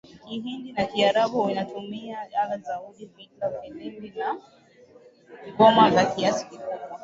Kihindi na Kiarabu inatumia ala za udi fidla filimbi na ngoma Kwa kiasi kikubwa